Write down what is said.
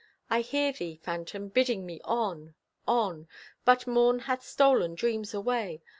I hear thee, Phantom, bidding me on, on! But morn hath stolen dreams away.